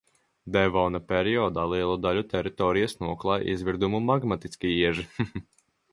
Devona periodā lielu daļu teritorijas noklāja izvirdumu magmatiskie ieži.